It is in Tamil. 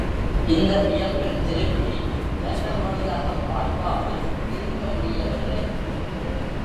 இந்த வியப்பில் திரும்பி ஜன்னல் வழியாகப் பார்க்காமல் இருக்க முடியவில்லை.